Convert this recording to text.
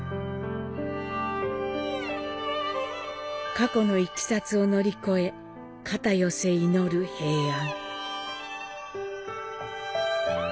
過去のいきさつを乗り越え肩寄せ祈る平安。